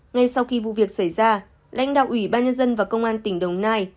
ngay sau khi vụ việc xảy ra lãnh đạo ủy ban nhân dân và công an tỉnh đồng nai